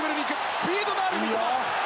スピードのある三笘。